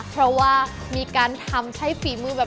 เพราะว่ามีการทำใช้ฝีมือแบบ